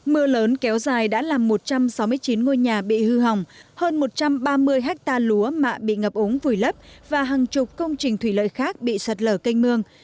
mưa lớn kéo dài đã làm một trăm sáu mươi chín ngôi nhà bị hư hỏng hơn một trăm ba mươi hectare lúa mạ bị ngập ống vùi lấp và hàng chục công trình thủy lợi khác bị sạt lở kênh mương